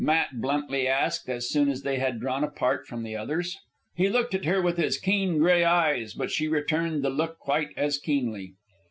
Matt bluntly asked as soon as they had drawn apart from the others. He looked at her with his keen gray eyes, but she returned the look quite as keenly.